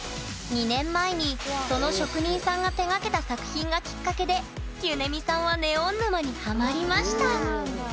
２年前にその職人さんが手がけた作品がきっかけでゆねみさんはネオン沼にハマりました